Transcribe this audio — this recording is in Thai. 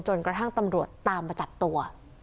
กระทั่งตำรวจตามมาจับตัว